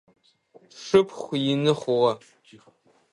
Сшыпхъу ины хъугъэ.